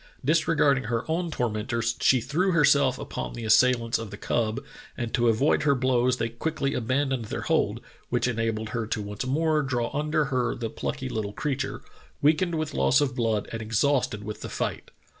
Disregarding her own tormentors, she threw herself upon the assailants of the cub, and to avoid her blows they quickly abandoned their hold, which enabled her to once more draw under her the plucky little creature, weakened with loss of blood and exhausted with the fight.